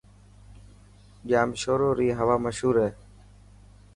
ڄامشوري ري هوا مشهور هي.